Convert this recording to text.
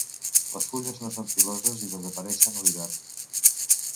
Les fulles no són piloses i desapareixen a l'hivern.